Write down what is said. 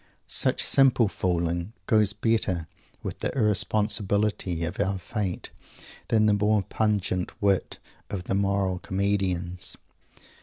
Such simple fooling goes better with the irresponsibility of our fate than the more pungent wit of the moral comedians.